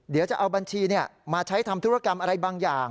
เดี๋ยวจะเอาบัญชีมาใช้ทำธุรกรรมอะไรบางอย่าง